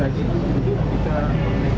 jadi kita bisa jual